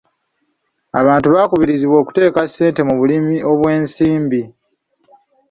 Abantu bakubirizibwa okuteeka ssente mu bulimi obw'ensimbi.